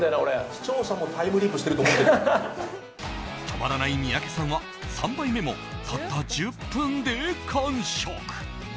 止まらない三宅さんは３杯目もたった１０分で完食。